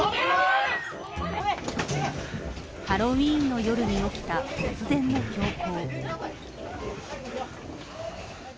ハロウィーンの夜に起きた突然の凶行。